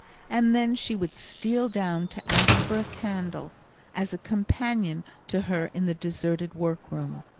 And then she would steal down to ask for a candle, as a companion to her in the deserted workroom.